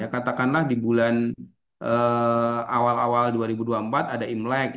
katakanlah di bulan awal awal dua ribu dua puluh empat ada imlek